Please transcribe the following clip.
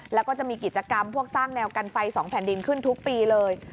แล้วก็จะมีกิจกรรมพวกสร้างแนวกันไฟ๒แผ่นดินขึ้นทุกปีเลย